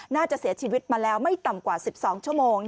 น่าจะเสียชีวิตมาแล้วไม่ต่ำกว่า๑๒ชั่วโมง